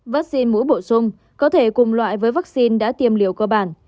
vắc xin mũi bổ sung có thể cùng loại với vắc xin đã tiêm liều cơ bản